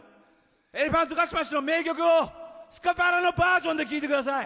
エレファントカシマシの名曲をスカパラのバージョンで聴いてください！